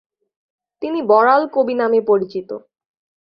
তিনি বড়াল কবি নামে পরিচিত।